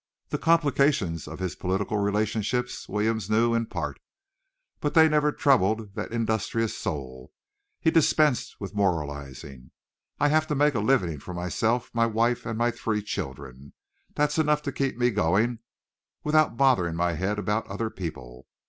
The complications of his political relationships Williams knew in part, but they never troubled that industrious soul. He dispensed with moralizing. "I have to make a living for myself, my wife and three children. That's enough to keep me going without bothering my head about other people."